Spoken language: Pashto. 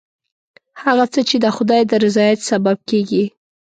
هغه څه چې د خدای د رضایت سبب کېږي.